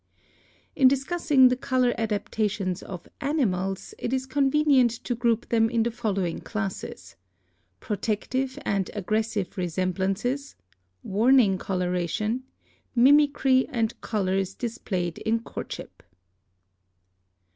In discussing the color adaptations of animals, it is con venient to group them in the following classes: Protec tive and aggressive resemblances; warning coloration; mimicry and colors displayed in courtship.